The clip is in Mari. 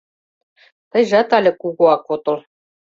— Тыйжат але кугуак отыл.